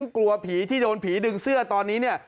กลัวผีที่โดนผีดึงเสื้อตอนนี้เนี่ย